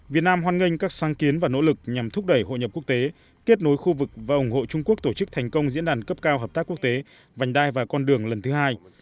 việt nam hoan nghênh các sáng kiến và nỗ lực nhằm thúc đẩy hội nhập quốc tế kết nối khu vực và ủng hộ trung quốc tổ chức thành công diễn đàn cấp cao hợp tác quốc tế vành đai và con đường lần thứ hai